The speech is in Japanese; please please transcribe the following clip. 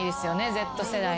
Ｚ世代。